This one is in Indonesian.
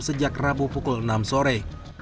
sejak rabu pukul enam sore